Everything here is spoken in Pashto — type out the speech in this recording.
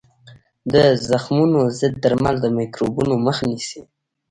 د زخمونو ضد درمل د میکروبونو مخه نیسي.